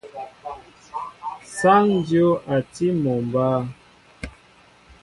Sááŋ dyów a tí mol mba.